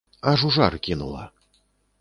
Аж у жар кінула.